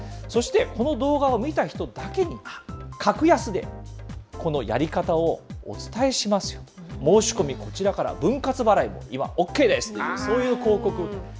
そして、この動画を見た人だけに、格安で、このやり方をお伝えしますよと、申し込み、こちらから分割払いも今、ＯＫですというような、そういう広告。